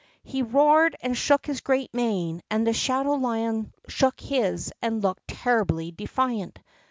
He roared and shook his great mane, and the shadow lion shook his and looked terribly defiant.